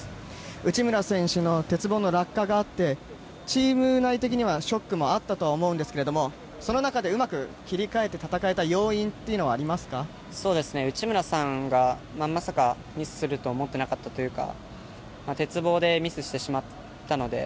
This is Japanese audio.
内村選手の鉄棒の落下があってチーム内的にはショックもあったと思うんですけどその中でうまく切り替えて戦えた要因というのは内村さんがまさかミスすると思っていなかったというか鉄棒でミスしてしまったので。